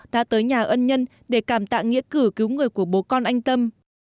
đã tới nhà ân nhân để cảm tạng nghĩa cử cứu người của bố con anh tâm